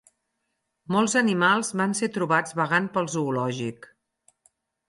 Molts animals van ser trobats vagant pel zoològic.